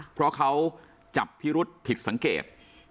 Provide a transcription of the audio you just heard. เพราะเขาจับพิรุษผิดสังเกต